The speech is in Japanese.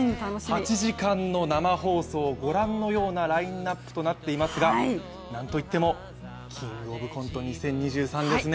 ８時間の生放送、ご覧のようなラインナップとなっていますがなんといっても「キングオブコント２０２３」ですね。